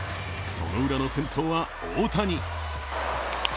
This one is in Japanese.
そのウラの先頭は大谷。